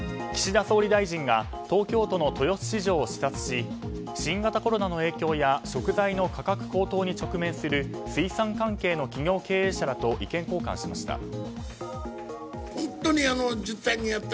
岸田総理大臣が東京都の豊洲市場を視察し新型コロナの影響や食材の価格高騰に直面する水産関係の企業経営者らと意見交換しました。